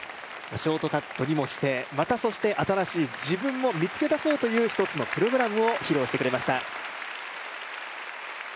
ショートカットにもして、また新しい自分を見つけようという一つのプログラムを披露してくれました。